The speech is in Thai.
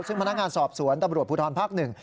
ซึ่งพนักงานสอบสวนตำรวจภูทรภักดิ์๑